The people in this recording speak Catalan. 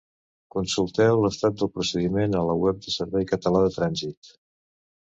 Consulteu l'estat del procediment a la web del Servei Català de Trànsit.